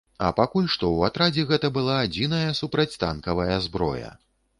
А пакуль што ў атрадзе гэта была адзіная супрацьтанкавая зброя.